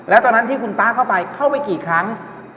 แล้วตอนนั้นที่คุณตาเข้าไปเข้าไปกี่ครั้ง